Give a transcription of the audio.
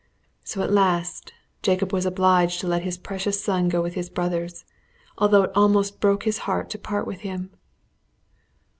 So at last Jacob was obliged to let his precious son go with his brothers, although it almost broke his heart to part with him.